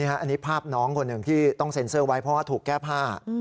อันนี้ภาพน้องคนหนึ่งที่ต้องเซ็นเซอร์ไว้เพราะว่าถูกแก้ผ้า